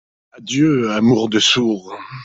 Adieu, amour de sourd !…